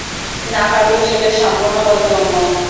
না পারলেও সেটা সম্পূর্ণ বোধগম্য।